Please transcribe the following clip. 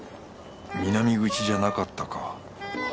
南口じゃなかったか。